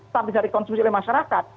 tapi bisa dikonsumsi oleh masyarakat